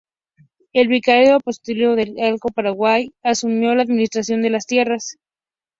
El vicariato apostólico del Alto Paraguay asumió la administración de las tierras.